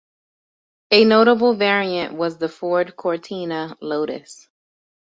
A notable variant was the Ford Cortina Lotus.